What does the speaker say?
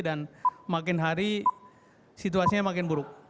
dan makin hari situasinya makin buruk